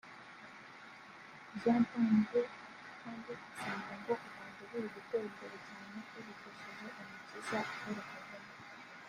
Jah Bone D kandi asanga ngo u Rwanda ruri gutera imbere cyane rubikesheje umukiza Paul Kagame